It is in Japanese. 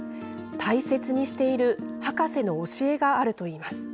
大切にしている博士の教えがあるといいます。